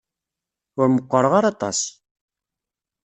Ur meqqṛeɣ ara aṭas.